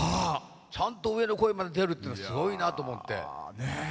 ちゃんと上の声まで出るっていうのはすごいなと思って。